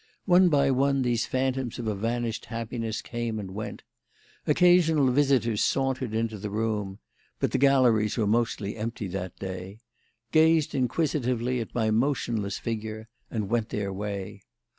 One by one these phantoms of a vanished happiness came and went. Occasional visitors sauntered into the room but the galleries were mostly empty that day gazed inquisitively at my motionless figure, and went their way.